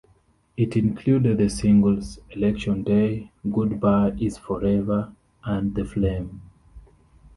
It included the singles "Election Day", "Goodbye Is Forever" and "The Flame".